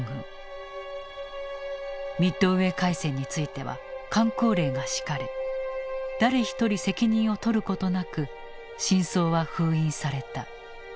ミッドウェー海戦については箝口令が敷かれ誰一人責任を取ることなく真相は封印された。